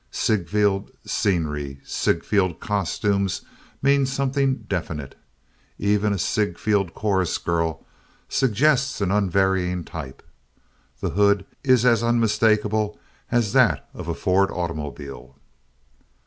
Ziegfeld scenery, Ziegfeld costumes mean something definite. Even "a Ziegfeld chorus girl" suggests an unvarying type. The hood is as unmistakable as that of a Ford automobile.